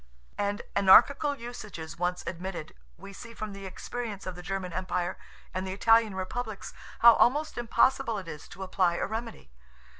And anarchical usages once admitted, we see from the experience of the German Empire, and the Italian republics, how almost impossible it is to apply a remedy.